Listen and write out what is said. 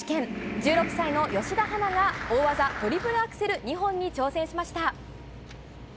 １６歳の吉田陽菜が大技トリプルアクセル２本に挑戦しました。